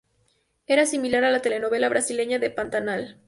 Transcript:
Era similar a la telenovela brasileña de Pantanal.